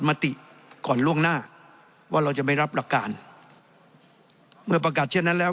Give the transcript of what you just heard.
เมื่อประกาศเช่นนั้นแล้ว